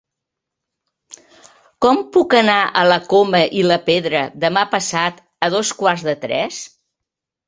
Com puc anar a la Coma i la Pedra demà passat a dos quarts de tres?